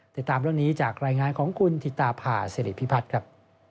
ติดตามเรื่องนี้จากรายงานของคุณธิตาผ่าสิริพิพัฒน์ครับ